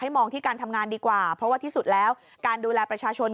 มองที่การทำงานดีกว่าเพราะว่าที่สุดแล้วการดูแลประชาชน